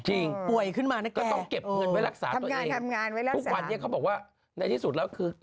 จริงต้องเก็บเงินไว้รักษาตัวเองทุกวันนี้เขาบอกว่าในที่สุดแล้วคือ